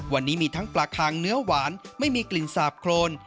วันนี้มีทั้งปลาคางเนื้อหวานไม่มีกลิ่นสาบโครน